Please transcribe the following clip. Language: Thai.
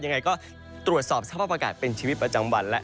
ยังไงก็ตรวจสอบสภาพอากาศเป็นชีวิตประจำวันแล้ว